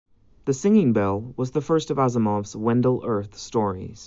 "The Singing Bell" was the first of Asimov's Wendell Urth stories.